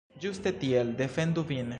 Ĝuste tiel, defendu vin!